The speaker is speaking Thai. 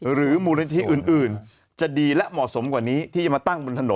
หรือมูลนิธิอื่นจะดีและเหมาะสมกว่านี้ที่จะมาตั้งบนถนน